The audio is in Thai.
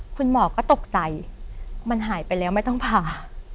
คุณหมอก็ตกใจมันหายไปแล้วไม่ต้องผ่า